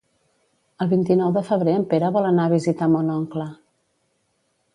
El vint-i-nou de febrer en Pere vol anar a visitar mon oncle.